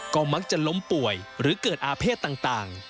ก็มักจะล้มป่วยหรือเกิดอาเภษต่าง